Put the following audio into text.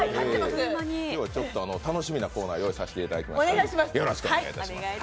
今日はちょっと楽しみなコーナー、用意させていただいていますので、よろしくお願いします。